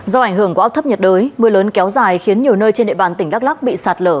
do ảnh hưởng của áp thấp nhiệt đới mưa lớn kéo dài khiến nhiều nơi trên địa bàn tỉnh đắk lắc bị sạt lở